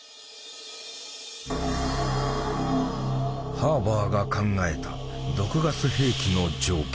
ハーバーが考えた毒ガス兵器の条件。